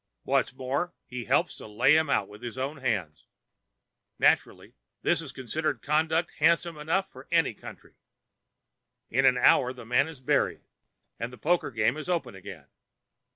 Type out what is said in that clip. What's more, he helps to lay him out with his own hands. Naturally this is considered conduct handsome enough for any country. In an hour the man is buried and the poker game is open again.